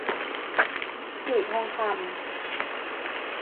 หรือทองคำ